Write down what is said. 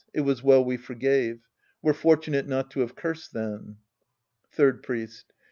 It was well we forgave. We're fortunate not to have cursed then." Third Priest.